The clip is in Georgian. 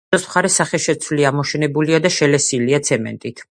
ეზოს მხარე სახეშეცვლილია, ამოშენებულია და შელესილია ცემენტით.